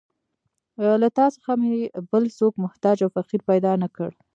له تا څخه مې بل څوک محتاج او فقیر پیدا نه کړ.